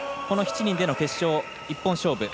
この７人での決勝一本勝負。